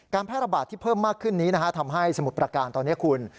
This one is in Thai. แพร่ระบาดที่เพิ่มมากขึ้นนี้ทำให้สมุทรประการตอนนี้คุณ